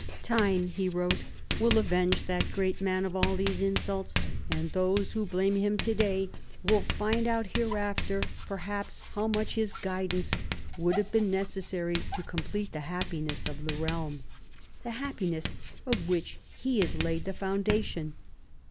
"Time," he wrote, "will avenge that great man of all these insults, and those who blame him to day will find out hereafter, perhaps, how much his guidapce would have been necessary to com plete the happiness of the realm — the happiness of which he has laid the foundation.